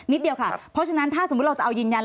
เดียวค่ะเพราะฉะนั้นถ้าสมมุติเราจะเอายืนยัน